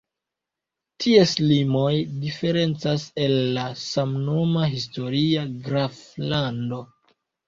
Ties limoj diferencas el la samnoma historia graflando.